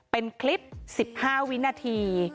เป็นคลิป๑๕วินาที